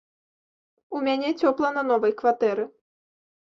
У мяне цёпла на новай кватэры.